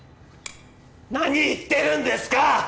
何言ってるんですか！